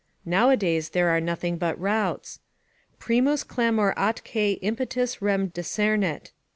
Nowadays there are nothing but routs: "Primus clamor atque impetus rem decernit."